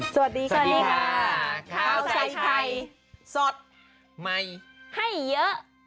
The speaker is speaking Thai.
สวัสดีค่ะสวัสดีค่ะข้าวชัยไทยสดใหม่ให้เยอะ